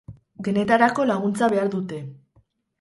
Denetarako laguntza behar dute.